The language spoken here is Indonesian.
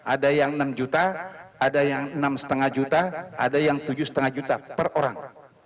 ada yang enam juta ada yang enam lima juta ada yang tujuh lima juta per orang